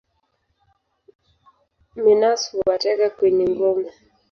Minus huwatega kwenye ngome.